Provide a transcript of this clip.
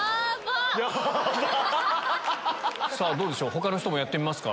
他の人もやってみますか？